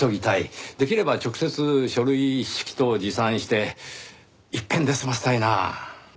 できれば直接書類一式等持参して一遍で済ませたいなあ。